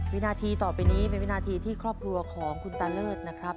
วินาทีต่อไปนี้เป็นวินาทีที่ครอบครัวของคุณตาเลิศนะครับ